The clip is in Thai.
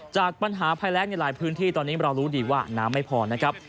จากปัญหาภัยแรงในหลายพื้นที่ตอนนี้เรารู้ดีว่าน้ำไม่พอนะครับ